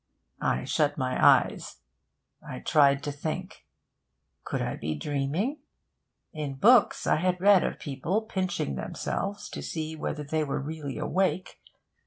I shut my eyes. I tried to think. Could I be dreaming? In books I had read of people pinching themselves to see whether they were really awake.